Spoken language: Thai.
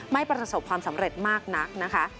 ไม่ประสบความสำเร็จมากนัก